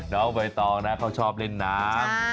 น้องใบตองนะเขาชอบเล่นน้ำ